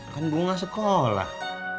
kan belum ngasih sekolah